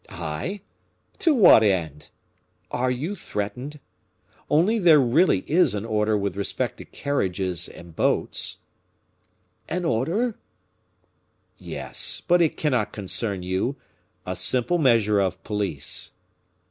"I? to what end? Are you threatened? Only there really is an order with respect to carriages and boats " "An order?" "Yes; but it cannot concern you a simple measure of police."